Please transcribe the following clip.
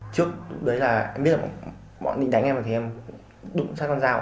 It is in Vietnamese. trước đấy là em biết là bọn định đánh em rồi thì em đụng sát con dao